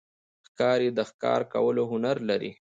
ښکاري د ښکار کولو هنر لري.